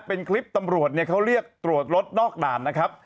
เป็นคลิปตำรวจเนี่ยเขาเรียกตรวจรถนอกด่านนะครับ